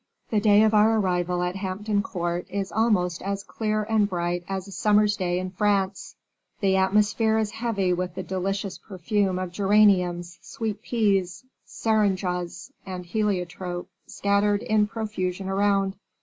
The day of our arrival at Hampton Court is almost as clear and bright as a summer's day in France; the atmosphere is heavy with the delicious perfume of geraniums, sweet peas, seringas, and heliotrope scattered in profusion around.